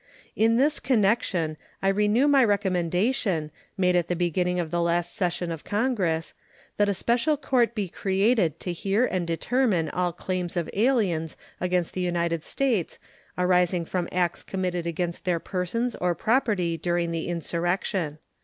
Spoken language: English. In this connection I renew my recommendation, made at the opening of the last session of Congress, that a special court be created to hear and determine all claims of aliens against the United States arising from acts committed against their persons or property during the insurrection.